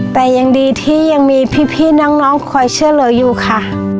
แต่ยังดีที่ยังมีพี่น้องคอยช่วยเหลืออยู่ค่ะ